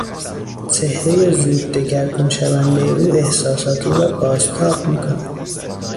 چهرهی زود دگرگون شوندهی او احساسات او را بازتاب می کند.